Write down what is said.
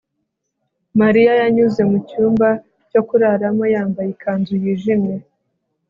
mariya yanyuze mu cyumba cyo kuraramo yambaye ikanzu yijimye